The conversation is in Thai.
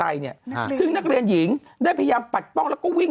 ซึ่งนักเรียนหญิงได้พยายามปัดป้องแล้วก็วิ่ง